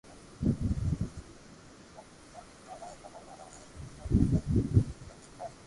خوݾ ھوئين ڪرپا ڪرجو